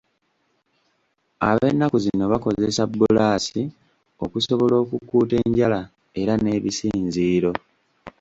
Ab'ennaku zino bakozesa bbulaasi okusobola okukuuta enjala era n'ebisinziiro.